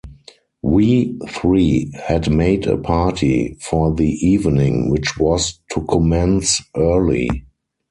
We three had made a party for the evening, which was to commence early.